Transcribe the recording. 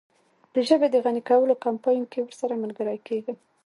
د ژبې د غني کولو کمپاین کې ورسره ملګری کیږم.